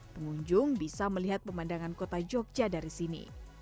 pengunjung bisa melihat pemandangan kota jogja dari sini